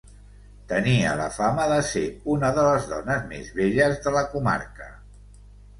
Tenia la fama de ser una de les dones més belles de la comarca.